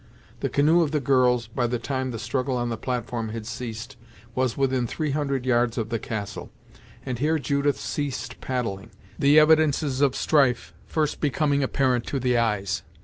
The canoe of the girls, by the time the struggle on the platform had ceased, was within three hundred yards of the castle, and here Judith ceased paddling, the evidences of strife first becoming apparent to the eyes.